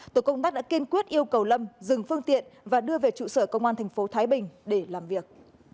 tổ công tác đã kiên quyết yêu cầu lâm dừng phương tiện và đưa về trụ sở công an thành phố thái bình để làm việc